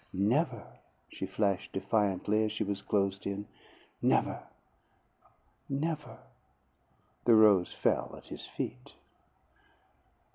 "Never!" she flashed defiantly as she was closed in. "Never!" "Never!" The rose fell at his feet.